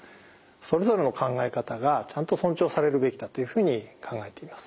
それぞれの考え方がちゃんと尊重されるべきだというふうに考えています。